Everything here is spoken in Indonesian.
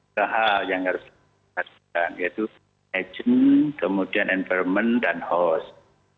ada hal yang harus diperhatikan yaitu agent kemudian environment dan host